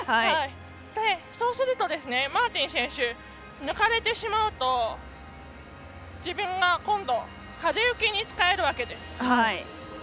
そうすると、マーティン選手抜かれてしまうと自分が今度、風よけに使えるわけです。